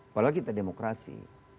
apalagi kita demokrasi